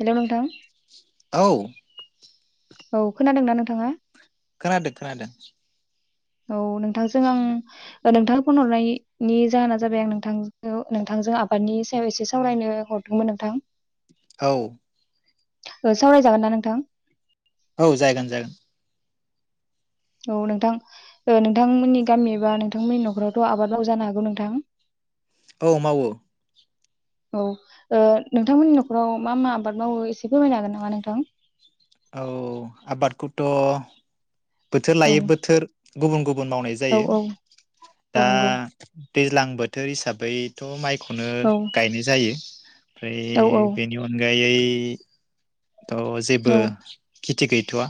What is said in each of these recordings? हेल' नोंथां। औ औ खोनादोंना नोंथाङा? खोनादों खोनादों। औ नोंथांजों आं ओ नोंथांनो फन हरनायनि नि जाहोना जाबाय आं नोंथांजो नोंथांजों आबादनि सायाव एसे सावरायनो हरदोंमोन नोंथां। औ सावरायजागोनना नोंथां? औ जागोन जागोन। औ नोंथां ओ नोंथांमोननि गामि एबा नोंथांमोननि न'खरावथ' आबाद मावो जानो हागौ नोंथां। औ मावो। औ ओ नोंथांमोननि न'खराव मा मा आबाद मावो एसे फोरमायनो हागोन नामा नोंथां? औ आबादखौथ' बोथोर लायै औ बोथोर गुबुन गुब बुन मावनाय औ जायो औ दा औ नंगौ दैज्लां बोथोर हिसाबैथ' माइ खौनो औ गायनाय जायो। [inaudible] फ्राय औ औ बेनि अनगा गायै थ' जेबो खेथि गैथ'आ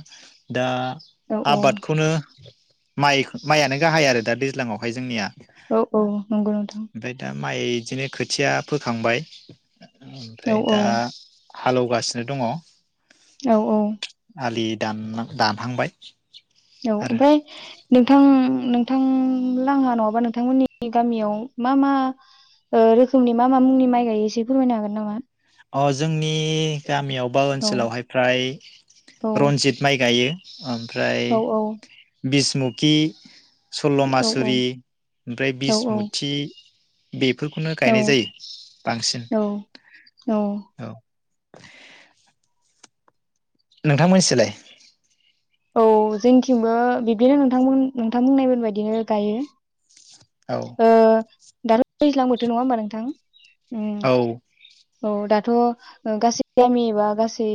दा औ आबादखौनो माइ माइयानो गाहाय आरो दा दैज्लां आवहाय जोंनिया, औ औ नंगौ नोंथां, ओमफ्राय दा माइ बिदिनो खोथिया फोखांबाय, औ ओमफ्राय औ दा, हालेवगासिनो दङो [inaudible] औ औ आलि दान दानहांबाय, औ आरो ओमफ्राय नोंथां, नोंथां लोंहा नङाबा नोंथांमोननि गामियाव मा मा ओ रोखोमनि मा मा मुंनि माइ गायो एसे फोरमायनो हागोन नामा? अ जोंनि नि गामियाव बा औ ओनसोलावहाय फ्राय औ रनजित माइ गायो। ओमफ्राय औ बिसमुखि, औ औ सल्ल'मासुरि ओमफ्राय औ बिसमुथि, बेफोरखौनो औ गायनाय जायो बांसिन। औ औ नोंथांमोननि सोलाय, औ जोंथिंबो बिब्दिनो नोंथांमोन नोंथां बुंनायमोन बायदिनो गायो। औ ओ दाथ' दैज्लां बोथोर नङा होमबा नोंथां? उम औ औ दाथ' ओ गासै गामि एबा गासै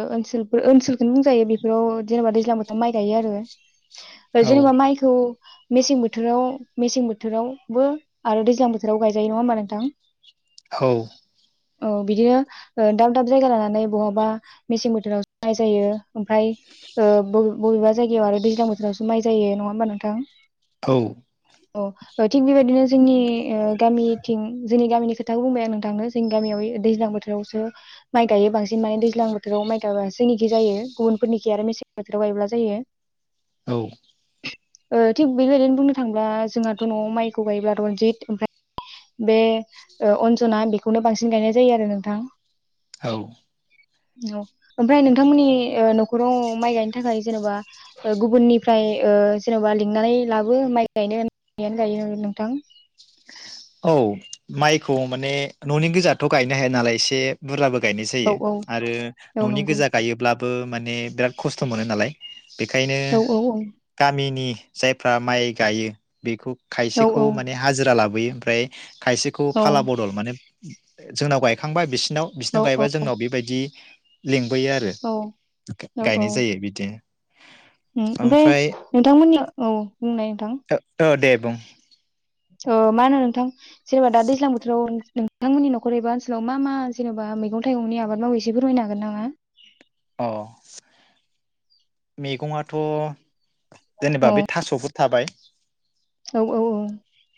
ओ ओनसोलफोर ओनसोलखौनो बुंजायो बेफोराव, जेनेबा दैज्लां बोथोर माइ गायो आरो औ जेनोबा माइखौ मेसें बोथोराव मेसें बोथोरावबो आरो दैज्लां बोथोराव गायजायो नङा होमबा नोंथां। औ औ बिदिनो ओ दाब दाब जायगा लानानै बहाबा मेसें बोथोरावसो माइ जायो ओमफाय, ओ बबे बबेबा जायगायाव आरो दैज्लां बोथोरावसो माइ जायो नङा होमबा नोंथां, औ अ ओ थिग बेबायदिनो जोंनि ओ गामिथिं जोंनि गामिनि खोथाखौ बुंबाय आं नोंथांनो। जोंनि गामियाव दैज्लां बोथोरावसो माइ गायो बांसिन माने दैज्लां बोथोराव माइ गाइबा जोंनिखि जायो गुबुनफोरनिखि आरो मेसें बोथोराव गायोब्ला जायो। औ ओ थिग बेबायदिनो बुंनो थांब्ला जोंहाथ' न'आव माइखौ गायोब्ला रनजित ओमफ्राय बे ओ अनजना बेखौनो बांसिन गायनाय जायो आरो नोंथां। औ औ ओमफाय नोंथांमोननि ओ न'खराव, माइ गायनो थाखाय जेन'बा ओ गुबुननिफ्राय ओ जेनेबा लिंनानै लाबो माइ गायनो गायो नोंथां। औ माइखौ माने न'नि गोजाथ' गायनो हाया नालाय एसे बुरजाबो, गायनाय औ जायो औ आरो औ न'नि नंगौ गोजा गायोब्ला बो माने बिराद खस्थ' मोनो नालाय बेखायनो औ औ गामिनि जायफ्रा माइ गायो बेखौ औ खायसेखौ माने ज्रा लाबोयो ओमफ्राय खायसेखौ औ फाला बदल माने जोंनाव गायखांबा बिस नाव औ बिसनाव गायोबा जोंनाव बेबायदि लिंक बोयो आरो औ गायनाय जायो बिदिनो। ओं ओमफाय नोंथांमोननियाव औ बुंनाय नोंथां ओ ओ देब दं ओ मा होनो नोंथां जेनेबा दा दैज्लां बोथोराव नोंथांमोननि न'खर एबा ओनसोलाव मा मा जेनेबा मैगं थाइगंनि आबाद मावो एसे फोरमायनो हागोन नामा अ। मेगङाथ' जेनेबा औ बे थास'फो थाबाय। औ औ औ।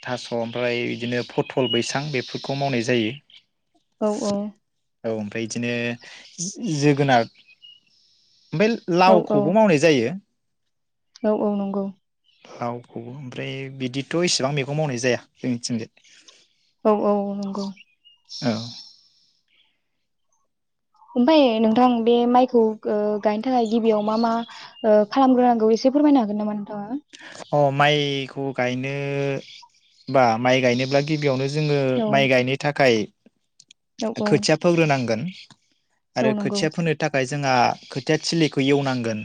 थास' ओमफ्राय बिदिनो फथल बैसां बेफोरखौ मावनाय जायो। औ औ। औ ओमफ्राय इदिनो जोगोनार। ओमफाय औ औ लावखौबो मावनाय जायो। औ औ नंगौ। लावखौ ओमफ्राय बिदिथ' इसेबां मैगं मावनाय जाया जोंनिथिंजाय। औ औ नंगौ। औ। ओमफाय नोंथां बे माइखौ गो गायनो थाखाय गिबियाव मा मा ओ खालामग्रोनांगौ एसे फोरमायनो हागोन नामा नोंथाङा? अ माइखौ गायनो बा माइ गायनोब्ला गिबियावनो जोङो औ माइ गायनो थाखाय औ खोथिया फोग्रोनांगोन। औ आरो नंगौ खोथिया फोनो थाखाय जोंहा खोथिया थिलिखौ एवनांगोन।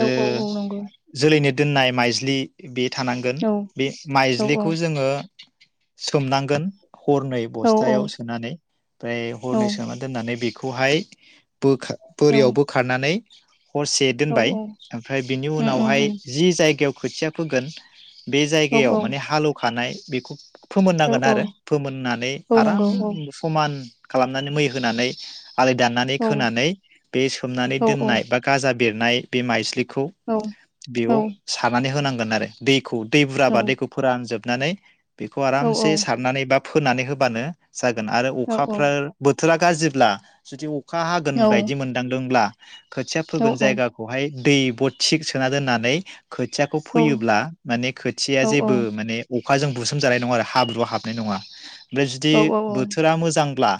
औ औ औ नंगौ जोलैनो दोननाय माइज्लि बे थानांगोन औ बे औ औ माइज्लिखौ जोङो सोमनांगोन। हरनै औ बस्थायाव सोनानै ओमफ्राय हरनै सोना दोननानै बे बेखौहाय बोखा औ बोरियाव बोखारनानै [inaudible] हरसे औ दोनबाय औ ओमफ्राय बिनि उम उम उनावहाय उम जि जायग खोथिया फोगोन बे औ जायगायाव माने हालेवखानाय बेखौ औ फोमोननांगोन औ आरो फोमोननानै औ आराम नंगौ औ समान खालामनानै मै होनानै आलि दाननानै औ खोनानै बे सोमनानै औ औ दोननाय बा गाजा बेरनाय बे माइस्लि खौ औ औ बेयाव सारनानै होनांगोन आरो दैखौ। दै औ बुरजाबा दैखौ फोरानजोब नानै बेखौ औ औ आरामसे सारनानै बा फोनानै होबानो जागोन आरो अखाफ्राबो बोथोरा गाज्रिब्ला जुदि अखा हागोन बायदि मोनदांदोंब्ला खोथिया फोगोन जायगाखौहाय दै बथिक सोना दोननानै खोथियाखौ फैयोब्ला माने खोथिया जेबो माने अखाजों बुसोमजानाय नङा आरो हाब्रुआ हाबनाय नङा। ओमफ्राय जुदि बोथोरा मोजांब्ला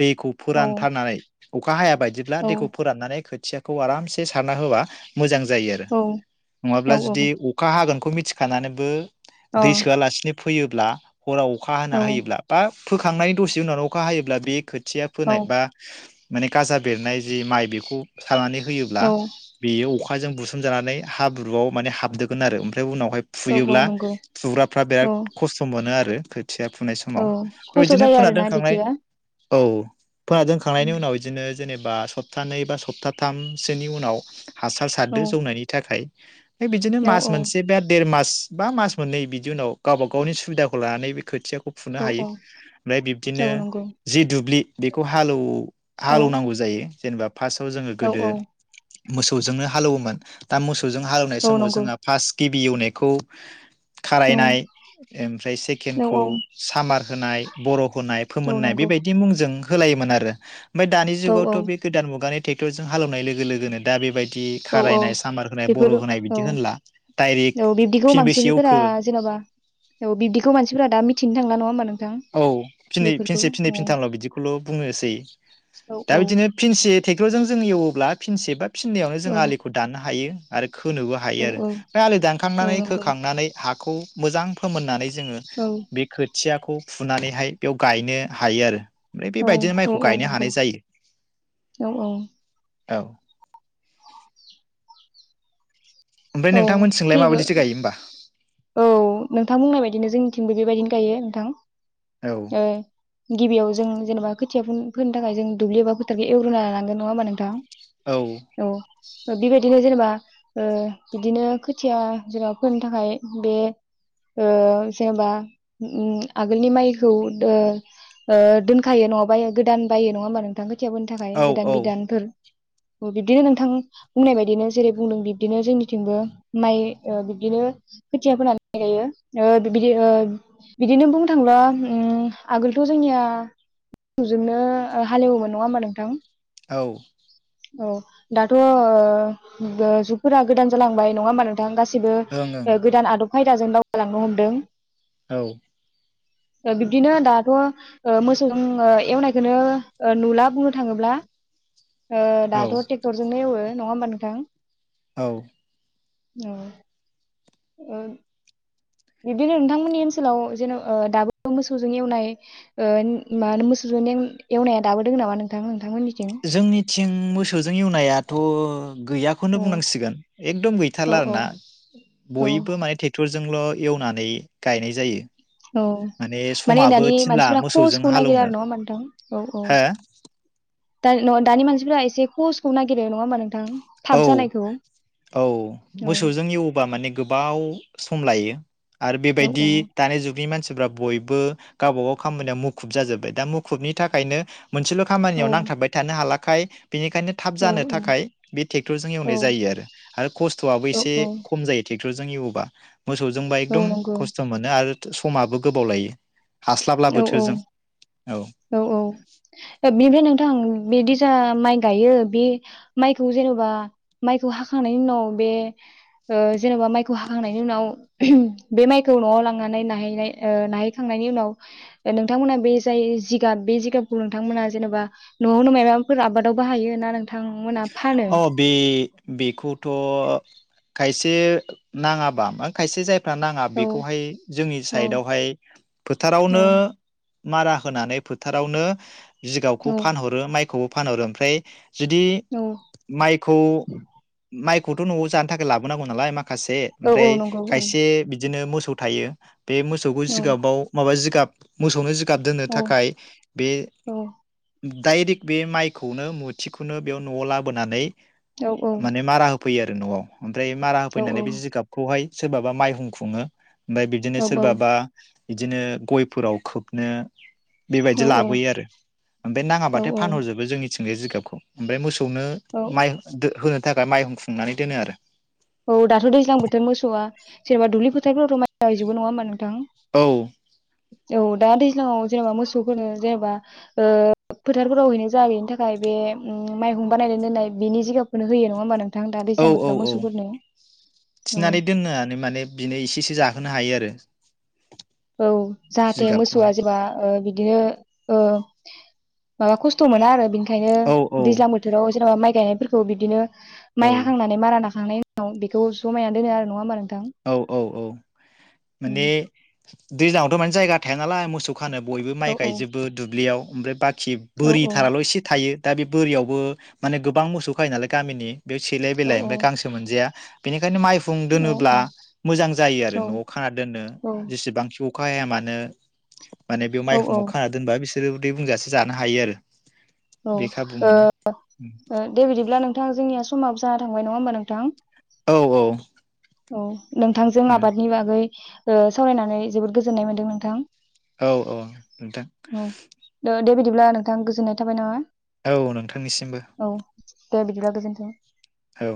[inaudible] दैखौ फोरानथारनानै अखा हाया। बायदिब्ला दैखौ फोराननानै खोथियाखौ आरामसे सारना होबा मोजां जायो आरो। नङाब्ला औ जुदि अखा। हागोनखौ मिथिखानानैबो। औ दै अ सोआलासिनो फो। फैयोब्ला। हराव अखा औ हाना होयोब्ला बा फोखांनायनि दसे उनाव अखा हायोब्ला बे खो थिया फोनाय औ बा माने गाजा बेरनाय जि माइ बेखौ खानानै होयोब्ला औ बेयो अखा अखायजों बुसोमजानानै हाब ब्रुआव माने हाबदगोन आरो ओमफ्राय उनाव हाय औ औ फुयोब्ला नंगौ फुग्राफ्रा औ बिराद खस्थ' मोनो आरो [unintelligible] थिया फुनाय औ समाव बे खस्थ' बिदिनो जायो फुना आरोना दोनखांनाय बिदिया औ फोना दोनखांनायनि उनाव बिदिनो जेनेबा सप्तानैै बा सप्ताथामसोनि उनाव हासार औ सारदो जौनायनि थाखाय आमफाय बिदिनो औ मास मोनसे बा देर मास बा मास मोननै बिदि उनाव गावबा गावनि सुबिदाखौ लानानै बे खोथियाखौ खौ फुनो औ हायो ओमफ्राय बिब्दिनो औ नंगौ जि दुब्लि बेखौ हालौ औ हालेवनांगौ जायो। जेनबा फास्टआव जोङो औ गोदो औ मोसौजोंनो हालौवोमोन दा मोसौ हालौनाय औ समाव नंगौ जोंहा फास्ट गिबि एवनायखौ औ खारायनाय ओमफ्राय औ सेकेणडखौ औ सामार होनाय बर' गनाय औ फोमोननाय नंगौ बेबायदि मुंजों होलायोमोन आरो ओमफाय दानि औ जुगावथ' बे गोदान मुगानि ट्रेक्टरजों हालवनाय लोगो लोगोनो दा बेबायदि दि औ औ खारायनाय सामार होनाय बर' बेफोर होनाय औ बिदि होनला डाइरेक्ट औ बिब्दिखौ फिनबेसे मानसिफोरा एवखो जेन'बा औ बिब्दिखौ मानसिफोरा दा मिथिनो थां [unintelligible] औ फिनै फिनसे फिनै फिनथामल' बिदिखौल' बुंनोसै औ दा औ बिदिनो फिनसे टेक्टरजों जों एवोबब्ला फिनसेब बा फिननायावनो जों औ आलिखौ दाननो हायो आरो खोनोबो औ हायो आरो औ फ्राय आलि औ दानखांनानै नंगौ खोखांनानै हा खौ मोजां फोमोननानै जोङो औ बे खोर थियाखौ फुनानैहाय बेयाव गायनो हायो आरो ओमफ्राय औ बेबायदिनो औ माइखौ औ गायनो नंगौ हानाय जायो औ औ औ ओमफाय औ नोंथांमोन सोंलाय थिग माबायदिसो गायो होमबा? औ नोंथां बुंनाय बायदिनो जोंनिथिंबो बेबायदिनो गायो नोंथां औ ओ गिबियाव जों बा खोथिया फोनो थाखाय जों दुब्लिबा एबा फोथारखौ एग्रोना लांगोन नङा होमबा नोंथां औ बि बायदि बिदिनो जेनेबा ओ बिदिनो खोथिया जेनेबा फोनो थाखाय बे ओ जेनेबा ओम आगोलनि माइखौ दो ओ दोनखायो नङाबा गोदान बायो नङा होमबा नोंथां? थिबोनो थाखाय औ गोदान औ बिदानफोर बिब्दिनो नोंथां बुंनाय बायदिनो जेरै बुंदों बिब्दिनो जोंनिथिंबो माइ ओ बिब्दिनो खोथिया फोनानै गायो ओ बिबायदि बिदिनो बुंनो थाङब्ला उम आगोलथ' जोंनिया नुजोबनो हालेवोमोन नङा होमबा नोंथां औ औ दाथ'ओ जुगफोरा गोदान जालांबाय नङा होमबा नोंथां गासै ओं ओं गासिबो आदब खायदाजों दावगालांनो हमदों औ ओ बिब्दिनो दाथ' ओ मोसौजों ओ एवनायखौनो ओ नुला बुंनो थाङोब्ला ओ औ दाथ' ट्रेक्टरजोंनो एवो नङा होनबा नोंथां औ औ ओ बिब्दिनो नोंथांमोननि ओनसोलाव जेन दाबो मोसौजों एवनाय ओ मा मोसौजों एवनाया दाबो दङ नामा नोंथांमोन? जोंनिथिं मोसौजों एवनाया थ' औ गैयाखौनो बुंनांसिगोन एकदम औ गैथारला आरो औ ना औ बयबो माने ट्रेक्टर जों जोंल' एवनानै गायनाय जायो। औ माने समाबो दानि थिनला मानसिफोरा मोसौजों कसखौ नागिरा हालौनो आरो नङा होमबा नोंथां औ औ। हो दा नङा दानि मानसिफोरा एसे खसखौ नागिरो नङा होमब नों औ औ औ मोसौजों एवोबा माने गोबाव सम लायो। आरो औ औ बेबायदि दानि जुगनि मानसि मानसिफ्रा बयबो गावबा गाव खामानियाव मुखुब जाजोबबाय दा मुखुबनि थाखायनो मोनसेल औ खामानियाव नांथाबबाय थानो हाला खाय बिनिखायनो थाब औ जानो थाखाय बे ट्रेक्टरजों औ एवनाय जायो आरो खस्थ आबो औ एसे औ खम जायो। ट्रेक्टरजों एवोबा। मोसौजोंबा औ एकदम नंगौ खस्थ मोनो आरो थो समाबो गोबाव लायो। हास्लाब्ला औ औ बोथोरजों औ औ बि बि नोंथां। बिदि जा माइ गायो बे माइखौ जेनेबा माइखौ हाखांनायनि उनाव बे ओ जेनेबा माइखौ हाखांनायनि उनाव बे माइखौ नआव लांनानैै ओ नाहैखांनायनि उनाव नोंथांमोना बे जाय जि बे जिगाबखौ नोंथांमोना जेनेबा नआवनो मायाबाफोर आबादावबो हायो ना नोंथांमोना फानो औ बे बेखौथ' खायसे नाङाबा मा खायसे जाय नाङा औ बेखौहाय जोंनि औ साइदआवहाय औ फोथारावनो मारा होनानै फोथारावनो जिगावखौ औ फानहरो माइखौबो फानहरो ओमफ्राय जुदि औ माइखौ माइ खौथ नआव जानो थाखाय लाबोनांगौ नालाय मा माखासे औ औ ओमफ्राय नंगौ औ खायसे बि बिदिनो मोसौ थायो। बे मोसौखौ औ जिगाबाव माबा जिगाब मोसौनो गाब दोननो औ थाखाय बे औ दाइरेक्ट बे माइखौनो मुथिखौनो बेयाव न'आव लाबोनानै औ माने मारा फैयो आरो न'आव ओमफ्राय मारा औ होफैनानै बे जिगाबखौहाय सोरबाबा माइहुं खुङो ओमफाय बिदिनो सोरबाबा बिदिनो गयफोराव खोबनो बेबायदि लाबोयो आरो ओमफ्राय औ नाङाबाथाय फानहरजोबो जोंनि सोंग्रा जिगाबखौ ओमफाय मोस खौनो औ माय दो होन नो थाखाय माइहुं हुंनानै दोनो आरो। औ दाथ' दैज्लां बोथोर मोसौआ जेनेबा दुब्लि फोरावथ' माय गायजोबो नङा होमबा नोंथां औ औ दा दैज्लांयाव जेनेबा मोसौफोरनो जेनेबा ओ फोथारफोरावहैनो जाहैयिनि थाखाय बे ओम माइहुं बानायनानै दोननाय बेनि जिगाबखौनो होयो नङा होमबा नों थां दा औ दैज्लां औ बोथोराव औ मोसौफोरनो औ थिनानै दोननानै माने बिनो एसे इसे जाहोनो हायो रो औ जाहाथे मोसौआ जेबा ओ बि बिदिनो ओ माबा खस्थ' मोना आरो ओंखायनो औ दैज्लां बोथोराव जेनेबा माइ गायनायफोरखौ बिदिनो औ माइ हाखांनानै मारा नाखां थांनाय उनाव बेखौ जमायनानै दोनो आरो नङा होमबा नों औ औ औ उम माने दैज्लांयावथ' माने जायगा थाया नालाय मोसौ खानो बयबो माइ औ औ गायजोबो दुब्लियाव ओमफ्राय बा खि औ बोरिथाराल' एसे थायो दा बे बोरियावबो माने गोबां मोसौ खायो नालाय गामिनि बेयाव सेलाय औ बेलाय ओमफ्राय गांसो मोनजाया ओंखायनो माइफुं औ दोनोब्ला मोजां जायो आरो न'आव खाना दोननो औ जेसेबां खाया मानो माने बे औ माइहुंयाव खाना दोनबा बेसे सोरो उदै बुंजासे जानो हायो आरो। औ बे खाबु ओ मोनो ओ दे बिदिब्ला नोंथाङा जोंनिया समाव जाना थांबाय नङा होमबा नोंथां? औ औ। औ। नोंथांजों आबादनि बागै ओ सावरायनानै जोबोद गोजोननाय मोन्दों नोंथां। औ औ नोंथां। औ दे बिदिब्ला नोंथां गोजोननाय थाबाय नामा? औ नोंथांनिसिमबो। औ दे बिदिबा गोजोन्थों। औ।